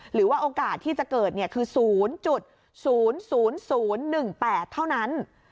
หรือว่าโอกาสที่จะเกิดคือ๐๐๑๘เท่านั้น